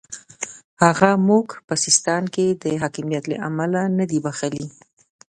هغه موږ په سیستان کې د حکمیت له امله نه دی بخښلی.